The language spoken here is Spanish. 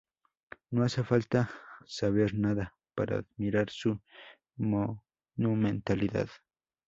No hace falta saber nada para admirar su monumentalidad.